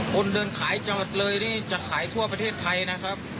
คนเดินขายจังหวัดเลยนี่จะขายทั่วประเทศไทยนะครับ